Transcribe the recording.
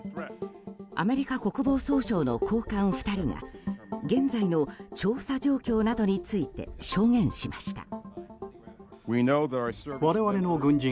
アメリカ国防総省の高官２人が現在の調査状況などについて証言しました。